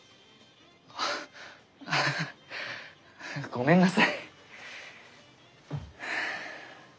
ごめんなさい。